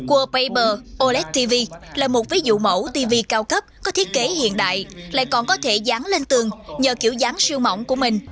world paber oles tv là một ví dụ mẫu tv cao cấp có thiết kế hiện đại lại còn có thể dán lên tường nhờ kiểu dáng siêu mỏng của mình